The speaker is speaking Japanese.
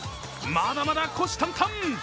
まだまだ虎視眈々。